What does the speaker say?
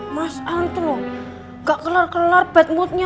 mas al tuh gak kelar kelar bad moodnya